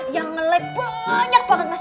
yang nge like banyak banget mas